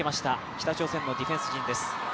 北朝鮮のディフェンス陣です。